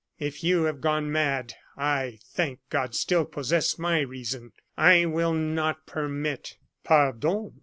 If you have gone mad, I, thank God! still possess my reason! I will not permit " "Pardon!"